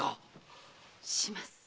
します。